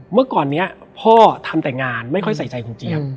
เมื่อก่อนนี้พ่อทำแต่งานไม่ค่อยใส่ใจคุณเจี๊ยบ